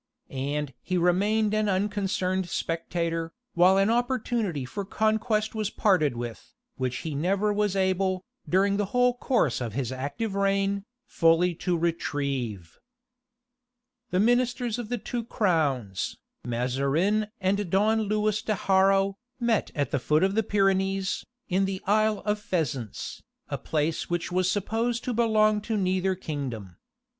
And he remained an unconcerned spectator, while an opportunity for conquest was parted with, which he never was able, during the whole course of his active reign, fully to retrieve. The ministers of the two crowns, Mazarine and Don Louis de Haro, met at the foot of the Pyrenees, in the Isle of Pheasants, a place which was supposed to belong to neither kingdom.